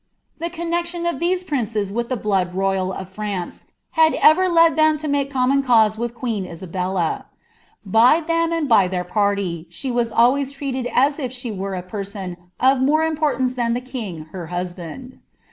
The connexion of these princes with the blood royal f Fiance, had ever led them to make common cause with queen Isa dla. By them and by their party she was always treated as if she rere a person of more importance than the king her husband.